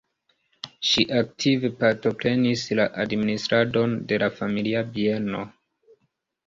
Ŝi aktive partoprenis la administradon de la familia bieno.